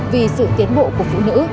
vì sự tiến bộ của phụ nữ